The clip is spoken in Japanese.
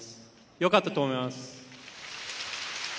よかったかなと思います。